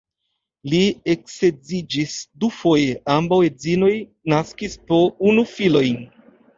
Li eksedziĝis dufoje, ambaŭ edzinoj naskis po unu filojn.